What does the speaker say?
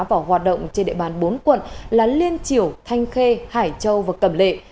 vào hoạt động trên địa bàn bốn quận là liên triểu thanh khê hải châu và cầm lệ